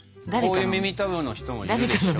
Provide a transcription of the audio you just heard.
こういう耳たぶの人もいるでしょ。